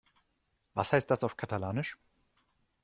Was heißt das auf Katalanisch?